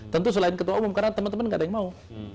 tentu selain ketua umum karena teman teman nggak ada yang mau